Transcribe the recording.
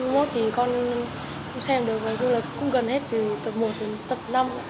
trong phim đội đặc nhiệm c hai mươi một thì con xem được cũng gần hết từ tập một đến tập năm